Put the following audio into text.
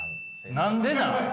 何でなん！？